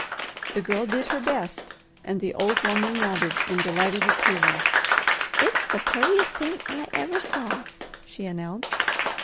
The Girl did her best, and the old woman nodded in delighted approval. "It's the purtiest thing I ever saw," she announced.